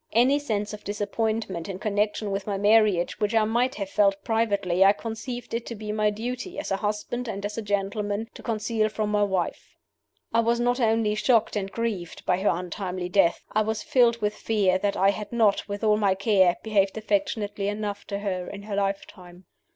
Any sense of disappointment in connection with my marriage which I might have felt privately I conceived it to be my duty as a husband and a gentleman to conceal from my wife. I was not only shocked and grieved by her untimely death I was filled with fear that I had not, with all my care, behaved affectionately enough to her in her lifetime.